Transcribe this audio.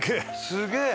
すげえ！